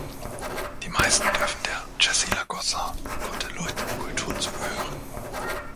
Die meisten dürften der "Chassey-Lagozza-Cortaillod"-Kultur zugehören.